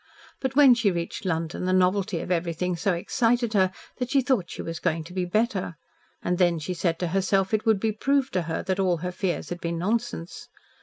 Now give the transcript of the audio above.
But when she reached London the novelty of everything so excited her that she thought she was going to be better, and then she said to herself it would be proved to her that all her fears had been nonsense.